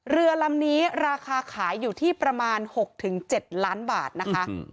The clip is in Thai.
เรือลำนี้ราคาขายอยู่ที่ประมาณ๖๗ล้านบาทนะคะ